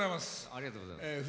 ありがとうございます。